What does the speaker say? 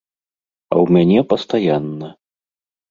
А ў мяне пастаянна.